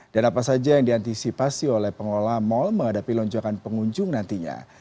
dan apa saja yang diantisipasi oleh pengelola mal menghadapi lonjongan pengunjung nantinya